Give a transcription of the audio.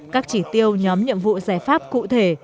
các chỉ tiêu nhóm nhiệm vụ giải pháp cụ thể